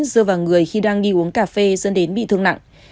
dơ vào người khi đang đi uống cà phê dân đến bị thương nặng